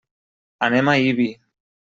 Anem a Ibi.